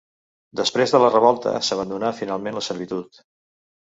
Després de la revolta s'abandonà finalment la servitud.